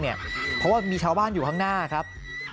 เพราะว่ามีชาวบ้านอยู่ข้างหน้าครับ